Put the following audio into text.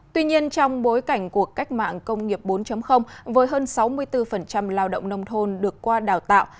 tuy nhiên trong bối cảnh cuộc cách mạng công nghiệp bốn với hơn sáu mươi bốn lao động nông thôn được qua đào tạo